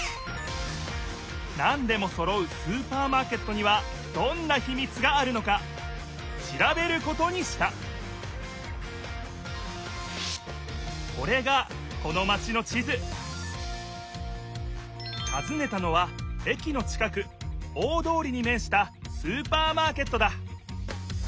なんでもそろうスーパーマーケットにはどんなひみつがあるのか調べることにしたこれがこのマチの地図たずねたのは駅のちかく大通りにめんしたスーパーマーケットだ！